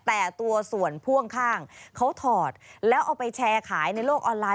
แต่ตัวส่วนพ่วงข้างเขาถอดแล้วเอาไปแชร์ขายในโลกออนไลน